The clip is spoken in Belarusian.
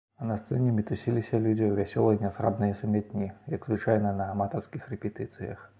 А на сцэне мітусіліся людзі ў вясёлай нязграбнай сумятні, як звычайна на аматарскіх рэпетыцыях.